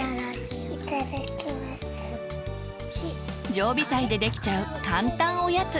常備菜でできちゃう簡単おやつ。